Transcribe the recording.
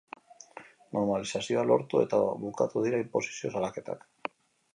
Normalizazioa lortu eta bukatu dira inposizio salaketak.